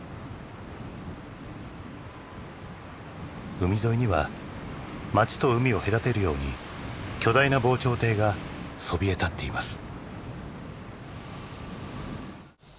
海沿いには町と海を隔てるように巨大な防潮堤がそびえ立っています。